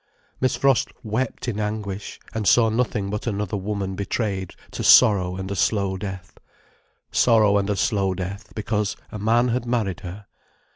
Miss Frost wept in anguish, and saw nothing but another woman betrayed to sorrow and a slow death. Sorrow and a slow death, because a man had married her.